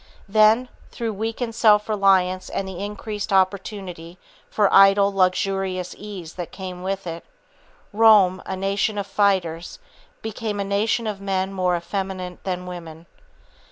Then, through weakened self reliance and the increased opportunity for idle, luxurious ease that came with it, Rome, a nation of fighters, became, a nation of men more effeminate than women.